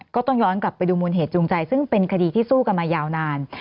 ก็ต้องย้อนกลับไปดูมูลเหตุจูงใจซึ่งเป็นคดีที่สู้กันมายาวนาน